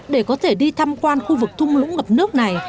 để có thể đi tham quan khu vực thung lũng ngập nước này